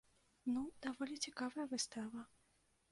Ну, даволі цікавая выстава.